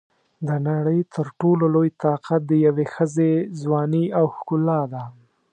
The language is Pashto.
د نړۍ تر ټولو لوی طاقت د یوې ښځې ځواني او ښکلا ده.